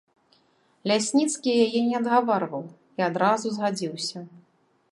Лясніцкі яе не адгаварваў і адразу згадзіўся.